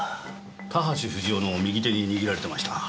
田橋不二夫の右手に握られてました。